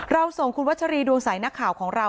ส่งคุณวัชรีดวงใสนักข่าวของเรา